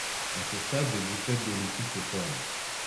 À ce stade, des gouttelettes d’eau liquide se forment.